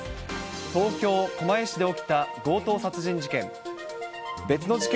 東京・狛江市で起きた強盗殺人事件。